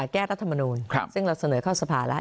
รัฐมนูลซึ่งเราเสนอเข้าสภาแล้ว